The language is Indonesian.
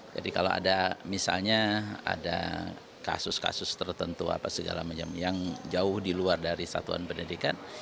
jadi kalau ada misalnya ada kasus kasus tertentu yang jauh di luar dari satuan pendidikan